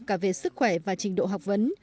cả về sức khỏe và trình độ học vấn